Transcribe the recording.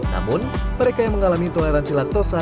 namun mereka yang mengalami toleransi laktosa